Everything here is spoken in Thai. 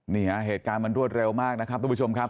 เหตุการณ์มันรวดเร็วมากนะครับทุกผู้ชมครับ